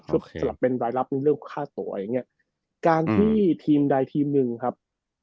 สำหรับรายรับเรื่องราคาส่อยการที่ทีมใดทีมหนึ่งครับ